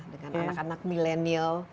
dengan anak anak milenial